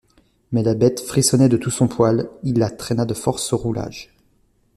Mais la bête frissonnait de tout son poil, il la traîna de force au roulage.